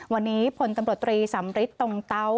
วันนี้พลตำรวจตรีสำริทตรงเตา